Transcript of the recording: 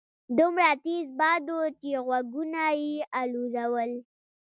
دومره تېز باد وو چې غوږونه يې الوځول.